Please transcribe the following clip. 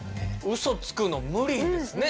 ウソつくの無理ですね。